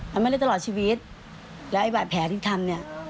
มันไม่ได้ตลอดชีวิตแล้วไอ้บาดแผลที่ทำเนี่ย